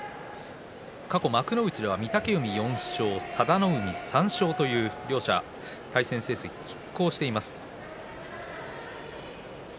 過去、幕内では御嶽海４勝佐田の海３勝という両者対戦成績きっ抗しています。